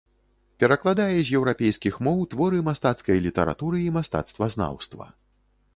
Перакладае з еўрапейскіх моў творы мастацкай літаратуры і мастацтвазнаўства.